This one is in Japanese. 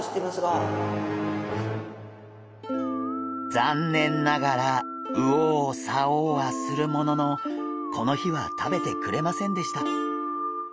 ざんねんながら右往左往はするもののこの日は食べてくれませんでした。